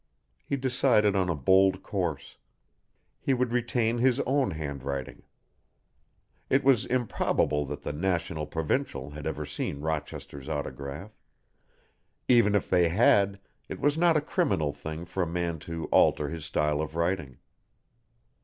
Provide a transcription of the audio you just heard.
He decided on a bold course. He would retain his own handwriting. It was improbable that the National Provincial had ever seen Rochester's autograph; even if they had, it was not a criminal thing for a man to alter his style of writing.